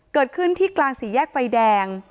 เกิดขึ้นที่กลางสี่แยกไฟแดง